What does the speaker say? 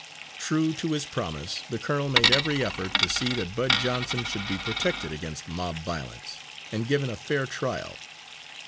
True to his promise, the colonel made every effort to see that Bud Johnson should be protected against mob violence and given a fair trial.